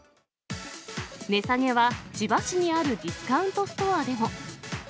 値下げは、千葉市にあるディスカウントストアでも。